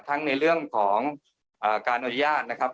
ทั้งในเรื่องของการอนุญาตนะครับ